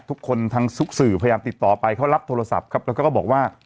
ทุกคนทางซุกสื่อพยายามติดต่อไปเขารับโทรศัพท์ครับแล้วก็บอกว่า